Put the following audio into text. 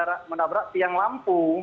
itu mendabrak siang lampu